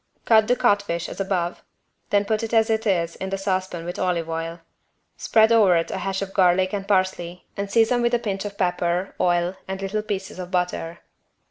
Cut the codfish as above, then put it as it is in saucepan with some olive oil. Spread over it a hash of garlic and parsley and season with a pinch of pepper, oil and little pieces of butter.